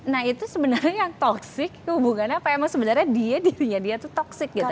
nah itu sebenarnya yang toxic hubungannya apa emang sebenarnya dia dirinya dia tuh toxic gitu